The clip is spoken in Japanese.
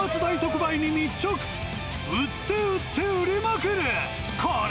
売って売って売りまくれ！